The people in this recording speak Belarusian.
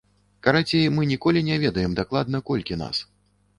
Карацей, мы ніколі не ведаем дакладна, колькі нас.